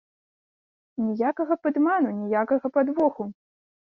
Ніякага падману, ніякага падвоху.